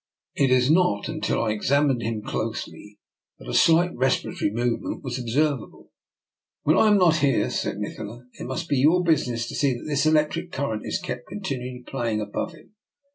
It was not until I examined him closely that a slight respiratory movement was observ able. " When I am not here," said Nikola, " it must be your business to see that this electric current is kept continually playing above him.